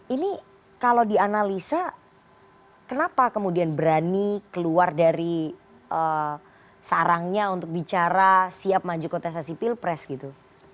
ini kalau dianalisa kenapa kemudian berani keluar dari sarangnya untuk bicara siap maju kontestasi pilpres gitu